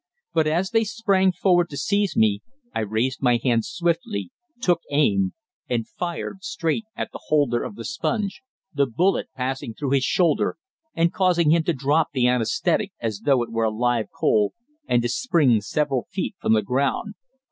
But as they sprang forward to seize me, I raised my hand swiftly, took aim, and fired straight at the holder of the sponge, the bullet passing through his shoulder and causing him to drop the anæsthetic as though it were a live coal, and to spring several feet from the ground.